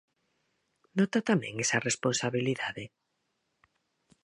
Nota tamén esa responsabilidade?